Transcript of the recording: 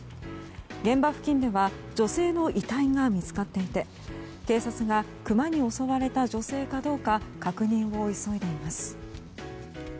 現場付近では女性の遺体が見つかっていて警察がクマに襲われた女性かどうか確認を急いでいます。